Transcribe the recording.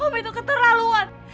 om itu keterlaluan